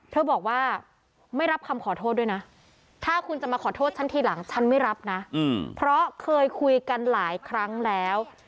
เธอบอกว่าไม่รับคำขอโทษด้วยนะถ้าคุณจะมาขอโทษฉันทีหลังฉันไม่รับนะเพราะเคยคุยกันหลายครั้งแล้ว